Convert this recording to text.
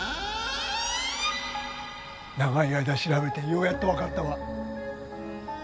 長い間調べてようやっと分かったわ